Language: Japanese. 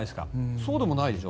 そうでもないでしょ。